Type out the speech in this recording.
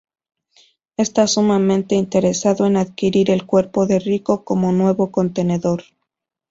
Está sumamente interesado en adquirir el cuerpo de Riko como nuevo contenedor.